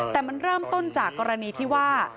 แต่มันเริ่มต้นจากกรณีที่ว่า